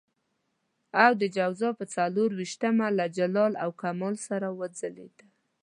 او د جوزا پر څلور وېشتمه له جلال او کمال سره وځلېده.